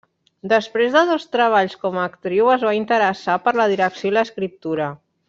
Després de dos treballs com a actriu es va interessar per la direcció i l'escriptura.